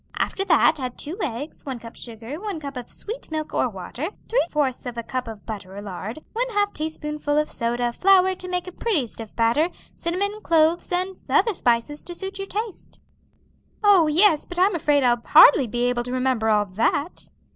After that add two eggs, one cup of sugar, one cup of sweet milk or water, three fourths of a cup of butter or lard, one half teaspoonful of soda, flour to make a pretty stiff batter, cinnamon, cloves, and other spices to suit your taste." "Oh, yes! but I'm afraid I'll hardly be able to remember all that."